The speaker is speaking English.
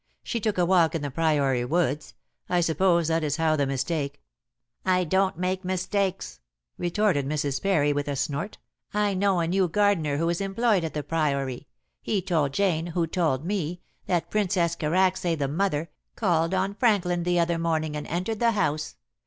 "She took a walk in the Priory woods. I suppose that is how the mistake " "I don't make mistakes," retorted Mrs. Parry, with a snort. "I know a new gardener who is employed at the Priory. He told Jane, who told me, that Princess Karacsay, the mother, called on Franklin the other morning and entered the house.